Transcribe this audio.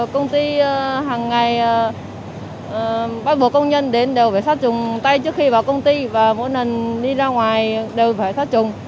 công ty hàng ngày bắt buộc công nhân đến đều phải sát trùng tay trước khi vào công ty và mỗi lần đi ra ngoài đều phải sát trùng